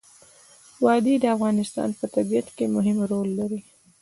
وادي د افغانستان په طبیعت کې مهم رول لري.